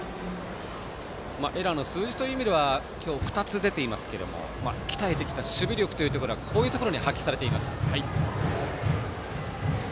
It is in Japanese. エラーの数字という意味では今日、２つ出ていますが鍛えてきた守備力というところはこういうところに発揮されています。